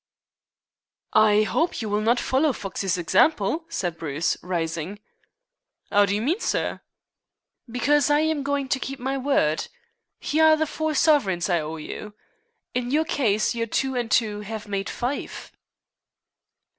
"I hope you will not follow Foxey's example," said Bruce, rising. "'Ow do you mean, sir?" "Because I am going to keep my word. Here are the four sovereigns I owe you. In your case your two and two have made five."